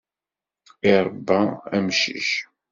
Iṛebba amcic.